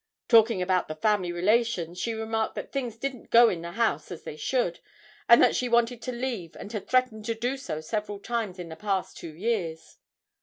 Talking about the family relations, she remarked that things didn't go in the house as they should, and that she wanted to leave and had threatened to do so several times in the past two years.